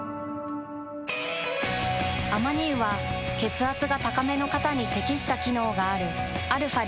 アマニ油は血圧が高めの方に適した機能があるαー